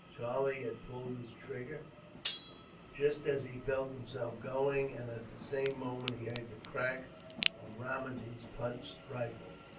Charlie had pulled his trigger, just as he felt himself going; and at the same moment he heard the crack of Ramajee Punt's rifle.